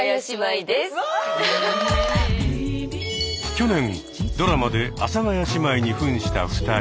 去年ドラマで阿佐ヶ谷姉妹にふんした２人。